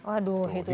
aduh itu dia